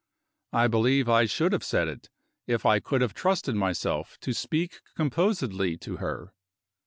I believe I should have said it, if I could have trusted myself to speak composedly to her.